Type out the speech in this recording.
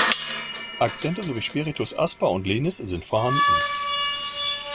Akzente sowie Spiritus asper und lenis sind vorhanden.